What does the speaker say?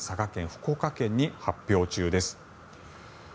福岡県に発表中です。